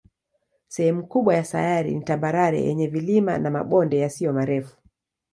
Sehemu kubwa ya sayari ni tambarare yenye vilima na mabonde yasiyo marefu.